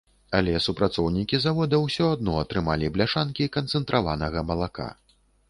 Але супрацоўнікі завода ўсё адно атрымалі бляшанкі канцэнтраванага малака.